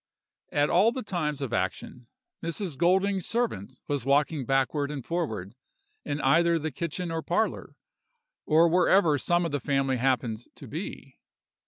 "At all the times of action, Mrs. Golding's servant was walking backward and forward, in either the kitchen or parlor, or wherever some of the family happened to be.